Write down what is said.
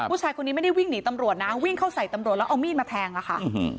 ผู้ชายคนนี้ไม่ได้วิ่งหนีตำรวจนะวิ่งเข้าใส่ตำรวจแล้วเอามีดมาแทงอะค่ะ